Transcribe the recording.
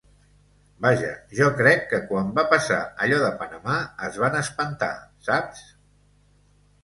Vaja, jo crec que quan va passar allò de Panamà es van espantar, saps?